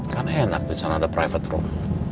kan enak disana ada private room